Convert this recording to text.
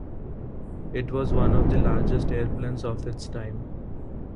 It was one of the largest airplanes of its time.